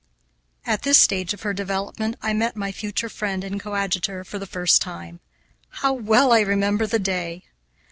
At this stage of her development I met my future friend and coadjutor for the first time. How well I remember the day!